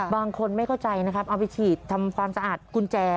บางคนไม่เข้าใจนะครับเอาไปฉีดทำความสะอาดกุญแจ